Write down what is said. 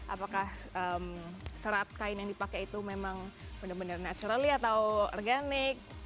apakah serat kain yang dipakai itu memang benar benar naturally atau organik